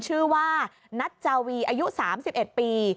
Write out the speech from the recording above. ชื่อว่านัจจาวีอายุ๓๑ปี